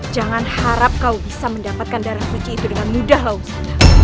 jangan harap kau bisa mendapatkan darah suci itu dengan mudah lah usada